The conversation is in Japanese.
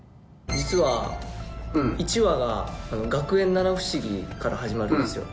実は１話が『学園七不思議』から始まるんですよ。